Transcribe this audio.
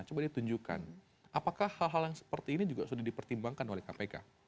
coba ditunjukkan apakah hal hal yang seperti ini juga sudah dipertimbangkan oleh kpk